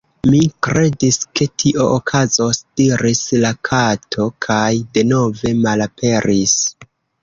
"Mi kredis ke tio okazos," diris la Kato kaj denove malaperis.